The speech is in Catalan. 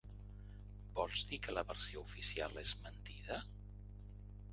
Vols dir que la versió oficial és mentida?